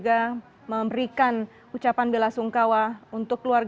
dan ejercisi mahasiswa tunasph accredterm